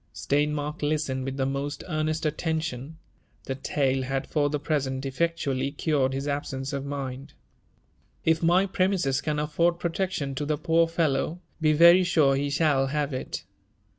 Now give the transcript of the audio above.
Steinmark listened with the most earnest attention ; the tale had for the present effectually cured his absence of mind. " If my premises can afford protection to the poor fellow, be very sure he shall have it.